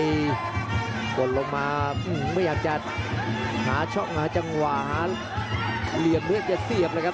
กดลงมาไม่อยากจะหาช่องหาจังหวะหาเหลี่ยมเพื่อจะเสียบเลยครับ